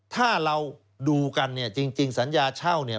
ถ้าเราดูกันเนี่ยจริงสัญญาเช่าเนี่ย